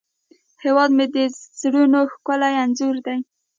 هیواد مې د زړونو ښکلی انځور دی